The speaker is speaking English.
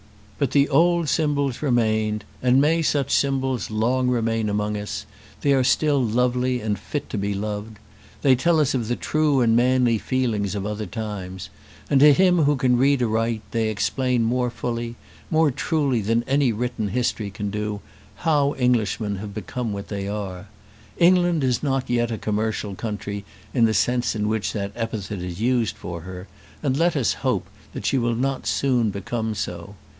But the old symbols remained, and may such symbols long remain among us; they are still lovely and fit to be loved. They tell us of the true and manly feelings of other times; and to him who can read aright, they explain more fully, more truly than any written history can do, how Englishmen have become what they are. England is not yet a commercial country in the sense in which that epithet is used for her; and let us still hope that she will not soon become so.